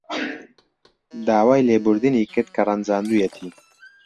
داوای لێبوردنی کرد کە ڕەنجاندوویەتی.